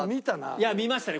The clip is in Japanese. いや見ましたね。